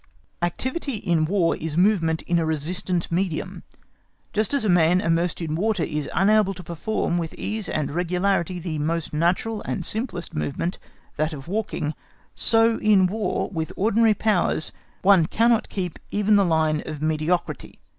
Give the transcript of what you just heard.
Activity in War is movement in a resistant medium. Just as a man immersed in water is unable to perform with ease and regularity the most natural and simplest movement, that of walking, so in War, with ordinary powers, one cannot keep even the line of mediocrity.